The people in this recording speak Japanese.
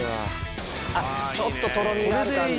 あっちょっととろみがある感じ。